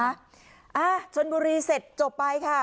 อ่ะชนบุรีเสร็จจบไปค่ะ